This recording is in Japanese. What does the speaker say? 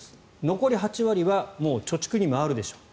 残り８割は貯蓄に回るでしょう。